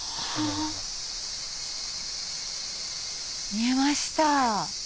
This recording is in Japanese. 見えました。